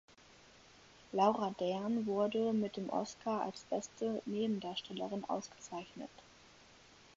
Laura Dern wurde mit dem Oscar als beste Nebendarstellerin ausgezeichnet.